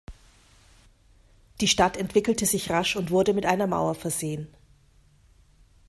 Die Stadt entwickelte sich rasch und wurde mit einer Mauer versehen.